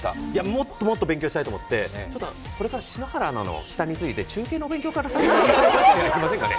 もっともっと勉強したいと思ってこれから篠原アナの中継について中継の勉強からさせていただいたりできませんかね？